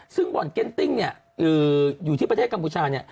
ซึ่งบ่อนเก็นติ้งอยู่ที่ประเทศกัมพูชา